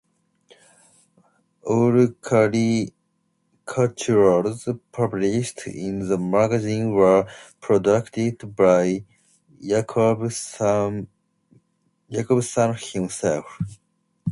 All caricatures published in the magazine were produced by Yaqub Sanu himself.